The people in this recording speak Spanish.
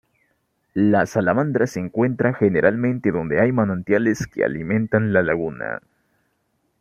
La salamandra se encuentra generalmente donde hay manantiales que alimentan la laguna.